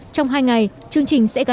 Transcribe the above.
trong hai ngày chương trình sẽ kết thúc